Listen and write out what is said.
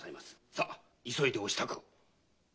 さっ急いでお支度を。